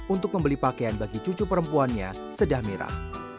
untuk membeli pakaian bagi cucu perempuannya sedah merah